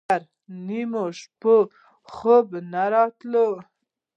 تر نيمو شپو خوب نه راته.